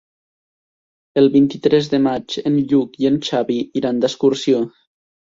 El vint-i-tres de maig en Lluc i en Xavi iran d'excursió.